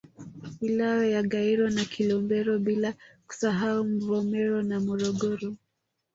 Wilaya ya Gairo na Kilombero bila kusahau Mvomero na Morogoro